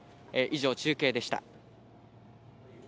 以上、中継でした。